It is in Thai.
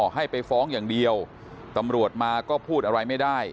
ให้ไปฟ้องอย่างเดียวตำรวจมาก็พูดอะไรไม่ได้